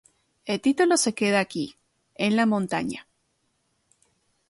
El título se queda aquí, en la Montaña".